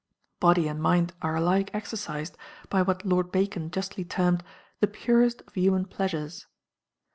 Body and mind are alike exercised by what Lord Bacon justly termed "the purest of human pleasures."